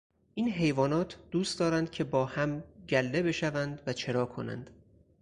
این حیوانات دوست دارند که با هم گله بشوند و چرا کنند.